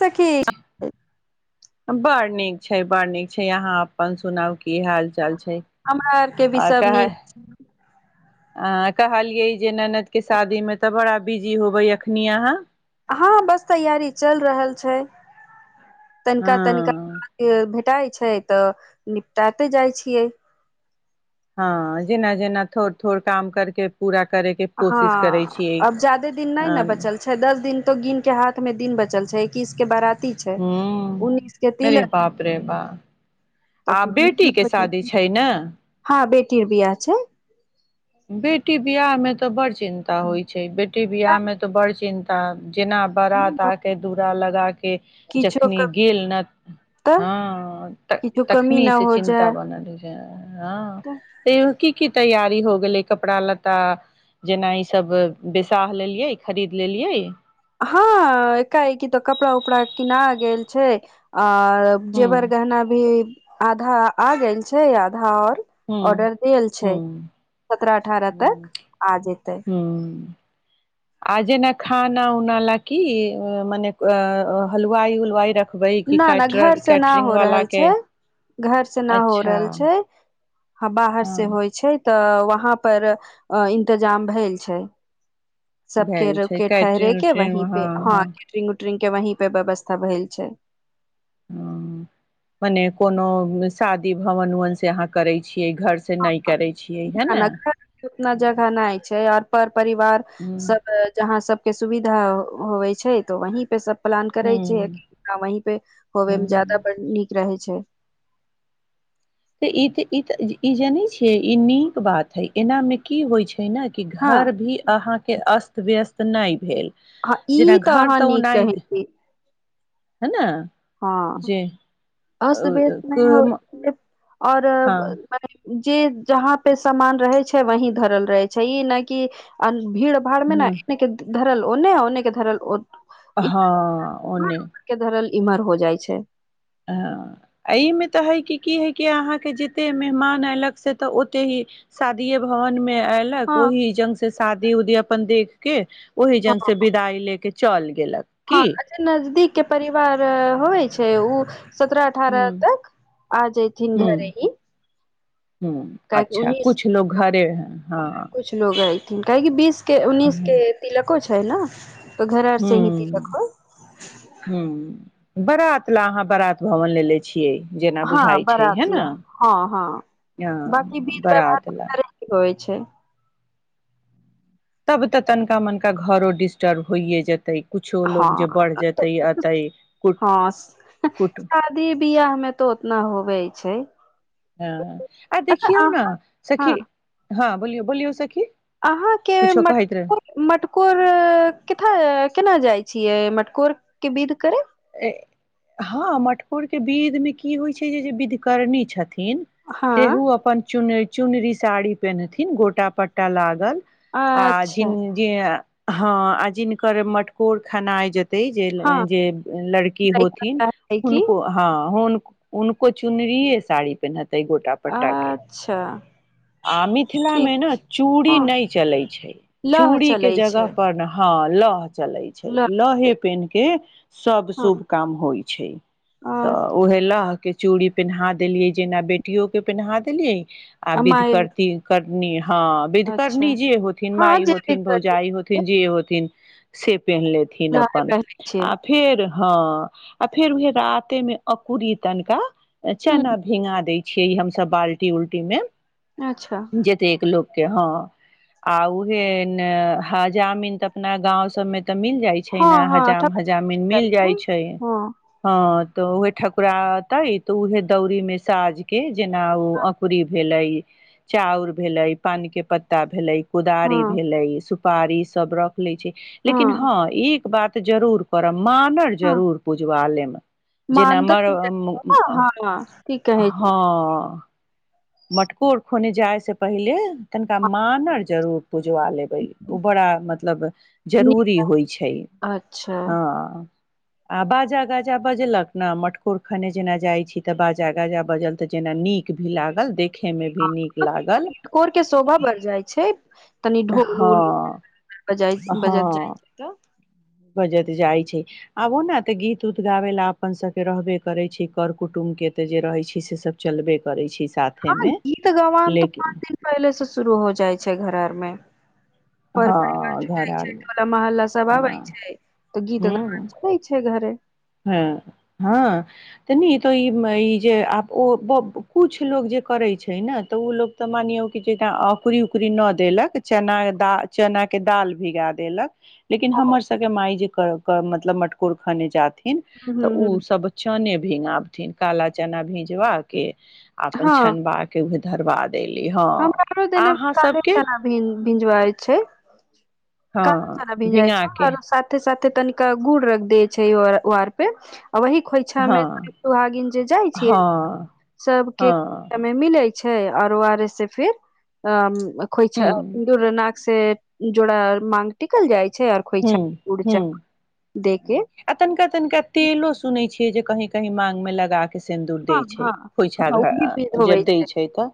सखी बड़ नीक छै बड़ नीक छै आहाँ अपन सुनाउ की हाल चाल छै हमरा आरके भी सब कह निक छै आ कहलियै जे ननद के शादीमे तऽ बड़ा बिजी होबैय अखनि अहाँ हँ बस तैयारी चलि रहल छै तनिका तनिका हँ भेटाय छै तऽ निपटाते जाइ छियै हँ जेना जेना थोड़ थोड़ काम करके पूरा करे के कोशिश करै हँ छियै अब ज्यादे दिन नहि ने बचल छै दस दिन तो गिन के हाथ में दिन बचल छै एकैस के बाराती छै ह उन्नीस के अरे तिलक बाप रे बाप त आ बेटीके शादी छै ने के बियाह छै बेटी बियाह में तऽ बड़ चिन्ता होइ छै बेटी बियाह में तो बड़ चिन्ता तब जेना बारात आके दुरा लगा के किछो क जखनी गेल ने तऽ हँ त किछो कमी तखनी न से हो चिन्ता जाय बनल छै हँ तो की कि तैयारी हो गेलै कपड़ा लत्ता जेनाई सब बेसाह लेलियै खरीद लेलियै हँ एकाएकी तऽ कपड़ा उपड़ा किना गेल छै और हूँ जेवर गहना भी आधा आ गेल छै आधा आओर हूँ ऑर्डर देल छै हूँ सत्रह अठारह तक आ जेतै हूँ आ जेना खाना उना ला की मने अ हलवाइ उलवाइ रख न न घर से न हो रहल के छै घर से न हो अच्छा रहल छै हँ बाहर से हँ होइ छै तऽ वहाँ पर अ इंतजाम भेल छै सबके भेल छै रुके ठहरे कैटरिंग के उटरिंग वही पे हँ ट्रिंग के वहीं पे व्यवस्था भेल छै ह मने कोनो शादी भवन उवन से अहाँ करै छी घर उतना जगह नहि छै आओर पर परिवार सब जहाँ सबके सुविधा होवै छै तऽ वहीं पे सब प्लान करे छै ह आ वही पे होवे मे ज्यादा नीक रहे छै छै तऽ ई तऽ ई तऽ ई जनै छियै ई नीक बात हई एना मे की होई छै छै न कि हँ घर भी अहाँ कि अस्त व्यस्त नहि भेल अहाँ जेना ई तऽ घर अहाँ नीक ओनाहि कहै छी है ना हँ ओहिसे बेस नहि हो हँ आओर हँ जे जहाँ पे सामान रहै छै वही धरल रहै छै ई नहि कि भीड़ भाड़ मे न एतेक धरल ओन्ने ओन्नेके धरल ओ हँ ओ नहि बिमार हो जाइ छै हँ एहिमे तऽ हई कि की हई कि अहाँके जतेक मेहमान अयलक से तऽ ओतय ही शादिये भवनमे ऐलक हँ ओहि जबसे शादी उदी अपन देखके ओहि जंग से हँ विदाई लेके चल गेलक हँ की एते नजदीकके परिवार होइ छै उ सत्रह अठारह ह तक आ जयथिन घरे ही हूँ काहेकि अच्छा उन्नीस कुछ लोग घरे हँ काहे कि बीस के उन्ननीस के हूँ तिलक कहै छै न तऽ घरे से दि तखन हूँ बरात ला अहाँ बारात भवन लेेले छियै जेना हँ बुझाइ छै है बरात ने ल हँ हँ अ बाँकी विध व्यवहार बरात लए घरे से होइत छै तब तऽ तनिका मनिका घरो डिस्टर्ब होइए जेतै कुछो लोक जे हँ बढ़ जेतै तऽ एतै कुट हँ कुट शादी बियाह मे तऽ उतना होबै छै हँ आ अच्छा देखियौ अहाँ ने हँ सखी हँ बोलियो बोलियो सखी अहाँके कुछो मट कहैत रहे मटकोर केथ केना जाइ छिय मटकोर के बिध करे हँ मटकोरके विधिमे की होइत छै जे जे विधकरनी छथिन हँ सेहो अपन चुन चुनरी साड़ी पेननेथिन गोटा पट्टा लागल आ अच्छा जिन जिअ ह आ जिनकर मटकोर खाना आ जेते तैहि जेऽ हँ जे लड़की होथिन चाहै कि हुनको हँ अ उन उनको चुनरी साड़ी पेनहत अ गोटा पट्टा के अच्छा आ मिथिला ठीक मे ने छै चूड़ी हँ नहि चले छै लह चूड़ी के चलै जगह छै पर ने ह लह चलै छै लह लहे पेनह के सब शुभ काम होइ छै तऽ हँ उहे लह के चूड़ी पेनहा देलिय जेना बेटियो के पेनहा देलिए आ अ विध माय करती कर नेह हँ विधकर्णी अच्छा जे होथिन हँ माइ जे विध होथिन करतै भौजाइ होथिन जे होथिन सेफ पेन लेथिन लहे अपन पहिरै छियै आ हँ आ फेर ओह रातेमे अकुरी तनिका हूँ चना भींगा दैय छिय हमस बाल्टी उल्टी मे अच्छा जेत एक लोक हँ आ उहे ने हजामिन तऽ अपना गाँव सबमे त मिल जाइ छै हँ ने हँ हजाम मि मिल जाइ छै हँ हँ ह तऽ उहे ठकुरा ते तऽ उहे दौरी में साझ के जेना ओ अकुरी भेलै चाउर भेलै पान के पत्ता भेलै कोदारी हँ भेलै सु पारी सब रख लै छै लेकिन हँ एक बात तऽ जरूर मानव हँ जरूर पुजवालयमे जेना मर मानदक ऊ हँ की कहै छै हँ मटकोर खुने जाइ से पहिले तनका मानल जरूर पुजवा लेबै ओ बड़ा मतलब नीक जरूरी होइ छै अच्छा हँ आ बाजा गाजा बजलक न मटकोर खने जेना जाइ छी तऽ बाजा गाजा बजल तऽ जेना नीक भी लागल देखे मे आ भी नीक लागल मटकोरके शोभा बढ़ि जाइ छै तनि ढोल उल हँ बजत जाइ हँ छै तऽ बजत जाय छै आब ओ ने ते गीत उत गाबे ला अपन सब के रहबे करे छै कर कुटुंब के ते जे रहे छै से सब चलबे करे छै साथे हँ मे गीत गवान तऽ पाँच लेकिन दिन पहिलेसँ शुरू हो जाइ छै घर आरमे हँ घर आर मे टोला महला स सब आबै हँ छै तऽ गीत गाबा ह चलै छै घरे हँ हँ तनी तऽ ई ई जे आब ओ किछु लोको जे करै छै ने तऽ ओ लोक तऽ मानियौ कि जे अऔकुरी उकुररी न देलक चना द चनाके दाल भिगा देलक लेकिन ह हमर सबके मााय जे म कर मटकोर खाने जात तऽ ओ ह सब चने भींगाबथिन काला चना भिजवा के आ अपन छनबा के उहे धरबा दे हम आरो दने काले चना भी भिजवाइ छै हँ काले चना भिजइ भिंगा छै के आओरो साथे साथे त तनिका गुड़ रख द छै वार पे आ वह खोइछां हँ दुहागिन जे जाय छे हँ सब के हँ खोइछा में मिले छै छै आरो आर से फिर अ खोइछा हूँ दूर नाक से जोड़ा माग टिकल जाइ छै आर खोइछा हूँ गुड़ हूँ चक दे के आ तनिका तनिका तेलो सुनै छी जे जे कही कही मांग मे लगा सिन्दूर दै हँ छै हँ खोँइछा हँ ओ घर भी विध होबै जब दै छै तऽ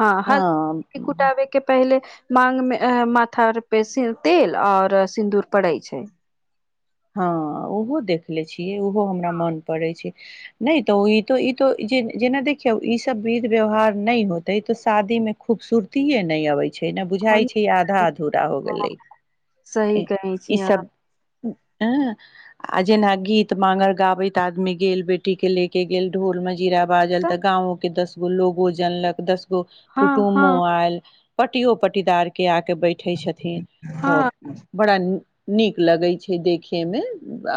हँ हल्दी हँ कुटाबे के पहिले मांग मे माथा आर पे तेल आ सिन्दूर पड़ै छै हँ ओहो देख ले छियै ओहो हमरा मन पड़ै छै नहि तऽ ई तो जेना देखियौ ईसभ विध व्यवहार नहि होतै तऽ शादी मे खूबसूरतीए नहि अबैत छै ने बुझाइ छै आधा अधूरा हो गेलै सही कहै ई छी अहाँ सब जेना गीत मागर गाबैत आदमी गेल बेटी के ले के गेल ढ़ोल मे जीरा बाजल तऽ गाँंव के दस लोगो जानलक दस हँ कुटुम मो हँ आयल पटियो पटीदार के आ के बैठे छथिन तऽ हँ बड़ा नीक लगै छै देखियमे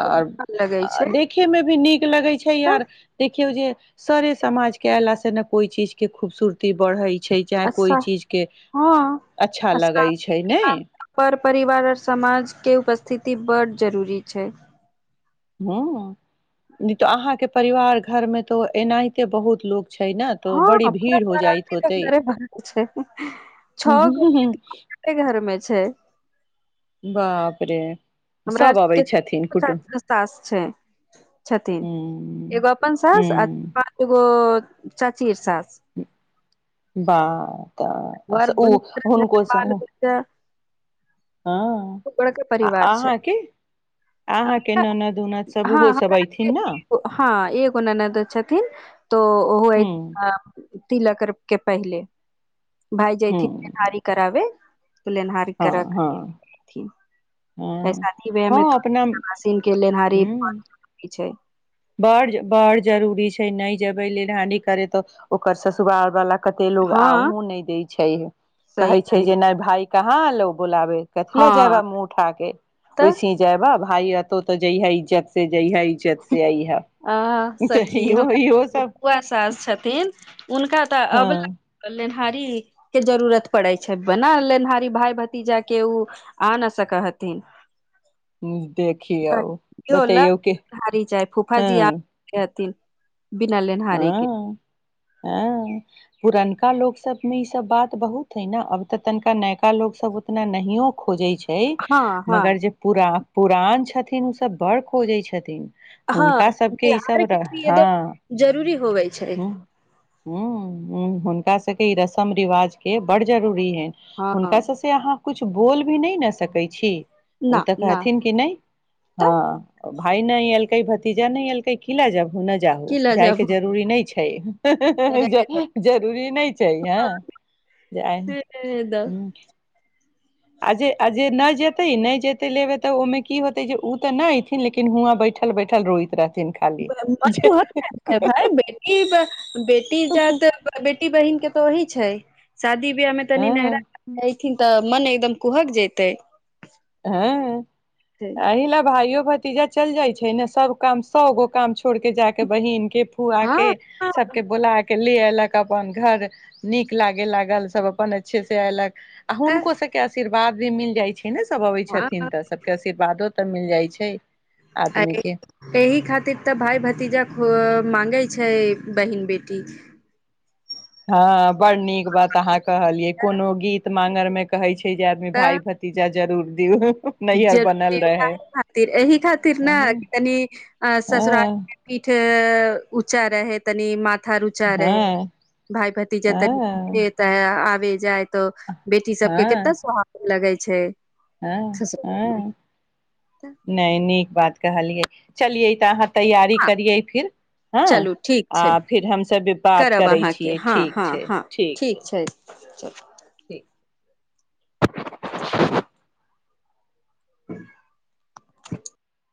आओर लगै छै देखे मे भी नीक लगै छै तऽ यार देखियौ जे सारे समाज के अयलाासे ने कोई चीज के खूबसूुरती बढ़ै छै चाहे कोइ अच्छा चीज के हँ अच्छा लगै छै ने पर परिवार आओर समाज के उपस्थिति बड जरूरी छै हॅं तऽ अहाँके परिवार घर मे तो एनाहिते बहुत लोक हँ पूरा बाराती तऽ घरे भरल छै छगो घर मे छै बापरे हमरार के सास छै छथिन हूँ एगो अपन सास आ हूँ पाँचगो चाचीये साथ बाह बर तऽ ओ हुनकोस के परिवार अहाँके अहाँके ननद उनद सब हँ ओहो सब हमरा अयथिन ने हँ एगो ननद छथिन तो ओहो हूँ तिलकर के पहिले भाय जयथिन हूँ विहारी कराबे लेनहार के हँ हँ रखथिन ऐ हँ शादी बियाह में हँ त अपना मशीन के लेनहारी हूँ बहुत जरूरी छै बड़ बड़ जरूरी छै नहि जेबै लेनहाडी करे तऽ ओकर ससुवार बला कते लोग हँ आहु नहि दै छै कहै सही छै कही जे नहि भाय कहाँ अलो बोलाबे कथी ले जयबा हँ मुह उठा के तऽ ओसिहि जयबा भााय एतो ते जय हई इज्जत से जय हई आ सखी इहो इहो हमरा सब बुआ सास छथिन हुनका तऽ हँ अबला हारी के जरूरत पड़ै छै बना लेनिहारी भाय भतीजा के ओ आ नहि सकै हथिन देखिओ बतैऔ कि हारी जाइ फुफाजी आथि बिना लेनहारहारेके हं पुरनका लोक सब मे ई सब बात बहुत हे न अब तऽ तनिका नयका लोक सब उतना नहियो खोजे छै है हँ हँ मगर जे पूरा पुरान छथिन उसब बडड खोजै छथिन हँ हुनका सभके बिहार ईसभ के रह लिए हँ तऽ जरूरी होबै छै तोरा सके ई रसम रिवाज के बडड जरूरी है हँ हुनका सब से अहाँ किछु बोल भी नहि न सकै छी ना ओ तऽ ना कहथिन कि नहि तऽ हँ भाय न अलकै भतीजा नहि अलकै कीला लजैब हुं न की जाहो लऽ जायके जाबू जरूरी नहि छै हां हां हां जरूरी नहि छै हँ जाइ ह आजय आजय न जे ते नहि जेते लेबे तऽ ओहिमे की होते जे उ तऽ न ऐथिन लेकिन हुआं बैठल बैठल रोइत रहथि कहल जायत है भाइ बेटी बहिन के तो ही छै शादी विवाह मे तनी नहिरा हँ न तऽ मन एकदम कुहक जते हँ अही ला भइयो भतीजा चलि जाइ छै ने सब काम सौ गगो काम छ छोड़ के जा के बहिन के फुआ के हँ सब के बोला के ले आ लोक अपन घर नीक लागे लागल सब अपन अच्छे से एऐलक तऽ हुनको सेके आशीर्वाद बाद भी मिल जाइत छै ने सब अबै छथिन हँ तऽ सबके आशीर्वादो तऽ मिल जाइ छै आदमी के एहिहि खातिर तऽ भइ भतीजा ख माँंगे छै बहिन बेटी हँ बड़ नीक बात अहाँ कहलियै। कोनो गीत मांगर में कहे छै जे आदमी तऽ भाय भतीजा। जरूर दियऔ। जरूर देग खातिर एहि खातिर ने हँ कनी अ ससुरार हँ पीठ। हँ, तऽ ऊँचा रहए तनि। ऊँचा रहे है हँ भाय भतीजा। के हँ ऊँचा रहे। भे जाइ तऽ बेटी सबके केत्ता स्वाग। लगै छै। ह ह ससुराल मे नहि नीक बात। कहलियै चलिऔ तऽ अहाँ। तैयारी हँ करियै। फिर हँ चलू ठीक आ छै फिर हमसब बात करब करै अहाँके छियै ठीक छै ठीक छै। चल ठीक [inaudible]